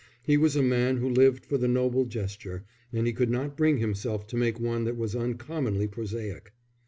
He was a man who lived for the noble gesture, and he could not bring himself to make one that was uncommonly prosaic.